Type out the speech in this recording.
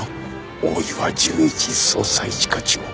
大岩純一捜査一課長。